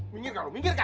minggir karo minggir kak